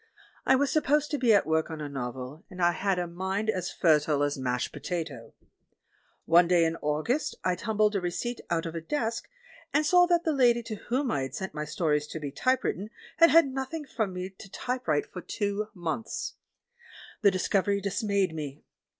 I was supposed to be at work on a novel, and I had a mind as fertile as mashed potato. One day in August I tumbled a receipt out of a desk, and saw that the lady to whom I sent my stories to be typewritten had had nothing from me to type write for two months. The discovery dismayed me.